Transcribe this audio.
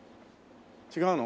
違うの？